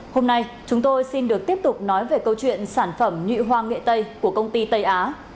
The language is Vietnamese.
hôm nay chúng tôi xin được tiếp tục nói về câu chuyện sản phẩm nhuy hoa nghệ tây của công ty tây á